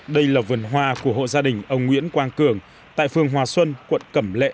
đây là vườn hoa của hộ gia đình ông nguyễn quang cường tại phường hòa xuân quận cẩm lệ